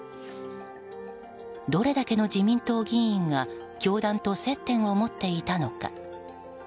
どれだけの自民党議員が教団と接点を持っていたのか。